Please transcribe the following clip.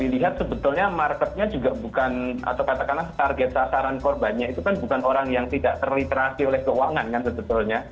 dilihat sebetulnya marketnya juga bukan atau katakanlah target sasaran korbannya itu kan bukan orang yang tidak terliterasi oleh keuangan kan sebetulnya